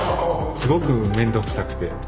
すごく面倒くさくて。